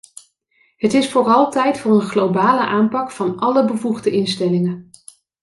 Het is vooral tijd voor een globale aanpak van alle bevoegde instellingen.